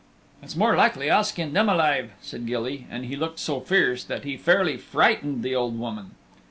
"It's more likely I'll skin them alive," said Gilly, and he looked so fierce that he fairly frightened the old woman.